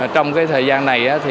trong thời gian này